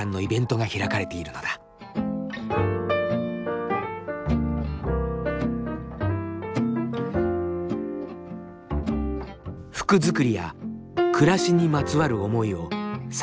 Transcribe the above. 服作りや暮らしにまつわる思いを参加者と共有する。